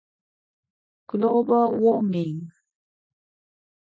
global warming